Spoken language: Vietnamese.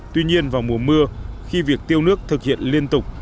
tuy nhiên vào mùa mưa khi việc tiêu nước thực hiện liên tục